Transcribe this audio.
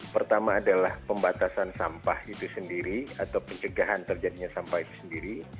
pertama adalah pembatasan sampah itu sendiri atau pencegahan terjadinya sampah itu sendiri